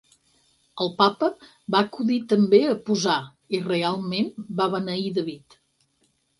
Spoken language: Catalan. El Papa va acudir també a posar, i realment va beneir David.